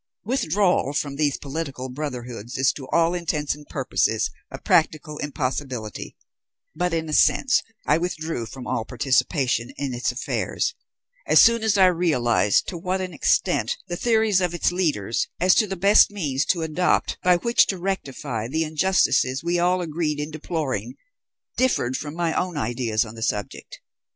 Withdrawal from these political brotherhoods is to all intents and purposes a practical impossibility; but, in a sense, I withdrew from all participation in its affairs as soon as I realized to what an extent the theories of its leaders, as to the best means to adopt by which to rectify the injustices we all agreed in deploring, differed from my own ideas on the subject.